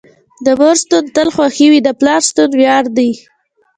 د مور شتون تل خوښې وي، د پلار شتون وياړ دي.